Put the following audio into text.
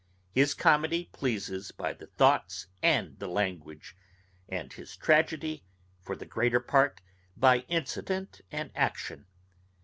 His comedy pleases by the thoughts and the language, and his tragedy for the greater part by incident and action.